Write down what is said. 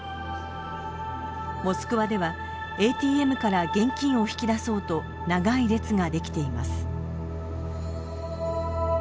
モスクワではＡＴＭから現金を引き出そうと長い列ができています。